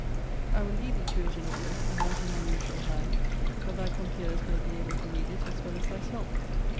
I will lead thee to it in order; and that in my usual hand, that thy compeers may be able to read it as well as thyself.